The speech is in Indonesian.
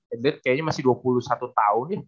adelaide kayaknya masih dua puluh satu tahun ya